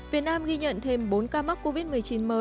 việt nam ghi nhận thêm bốn ca mắc covid một mươi chín mới